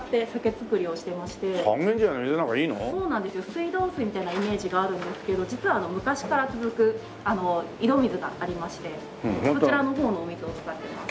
水道水みたいなイメージがあるんですけど実は昔から続く井戸水がありましてそちらの方のお水を使ってます。